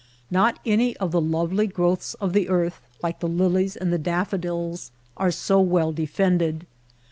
Not any of the lovely growths of the earth, like the lilies and the daffodils, are so well de fended.